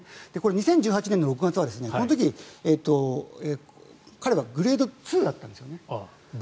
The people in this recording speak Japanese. ２０１８年６月は彼はグレード２だったんですね。